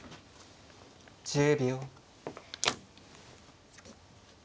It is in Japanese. １０秒。